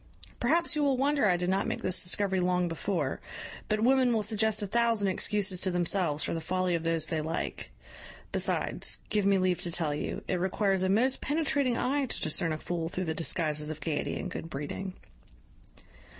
Perhaps you will wonder I did not make this discovery long before; but women will suggest a thousand excuses to themselves for the folly of those they like: besides, give me leave to tell you, it requires a most penetrating eye to discern a fool through the disguises of gaiety and good breeding.